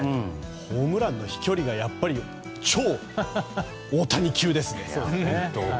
ホームランの飛距離がやっぱり超大谷級ですね。